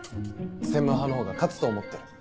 専務派のほうが勝つと思ってる？